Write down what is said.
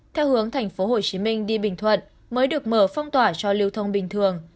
theo hướng tp hcm đi bình thuận mới được mở phong tỏa cho lưu thông bình thường